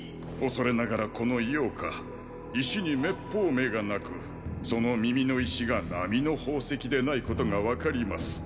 恐れながらこの姚賈石に滅法目がなくその耳の石が並の宝石でないことが分かります。